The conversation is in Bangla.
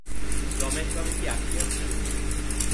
রমেশবাবু কি আসিয়াছেন?